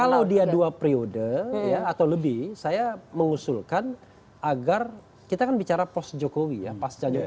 kalau dia dua periode atau lebih saya mengusulkan agar kita kan bicara pos jokowi ya pasca jokowi